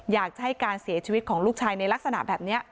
อยากจะให้การเสียชีวิตของลูกชายในลักษณะแบบนี้